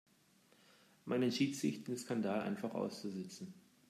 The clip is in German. Man entschied sich, den Skandal einfach auszusitzen.